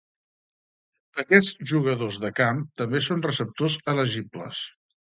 Aquests jugadors de camp també són receptors elegibles.